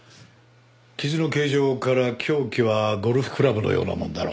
傷の形状から凶器はゴルフクラブのようなものだろう。